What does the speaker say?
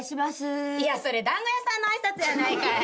いやそれ団子屋さんの挨拶やないかい。